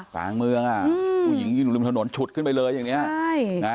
สร้างเมืองผู้หญิงอยู่ในลมถนนฉุดขึ้นไปเลยอย่างนี้